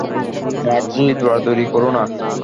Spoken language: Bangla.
মার্জি, দৌড়াদৌড়ি করো না!